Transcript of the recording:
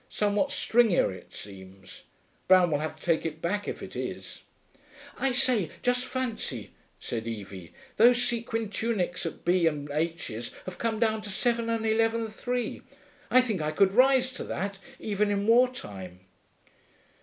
Somewhat stringier, it seems. Brown will have to take it back, if it is.' 'I say, just fancy,' said Evie, 'those sequin tunics at B. & H.'s have come down to seven and eleven three. I think I could rise to that, even in war time.'